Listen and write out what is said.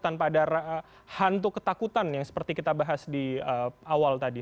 tanpa ada hantu ketakutan yang seperti kita bahas di awal tadi